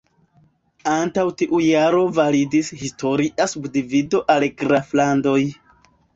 Antaŭ tiu jaro validis historia subdivido al "graflandoj".